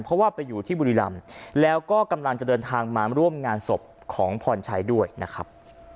เพราะว่าไปอยู่ที่บุรีรำแล้วก็กำลังจะเดินทางมาร่วมงานศพของพรชัยด้วยนะครับ